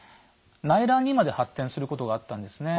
内乱にまで発展することがあったんですね。